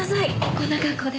こんな格好で。